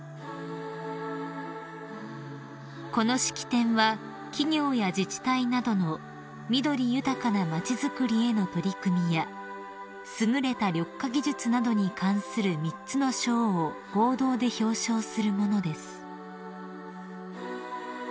［この式典は企業や自治体などの緑豊かな町づくりへの取り組みや優れた緑化技術などに関する３つの賞を合同で表彰するものです］